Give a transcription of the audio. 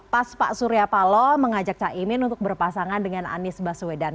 pas pak surya paloh mengajak caimin untuk berpasangan dengan anies baswedan